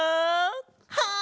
はい！